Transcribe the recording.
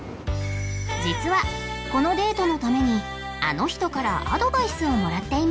実はこのデートのためにあの人からアドバイスをもらっていました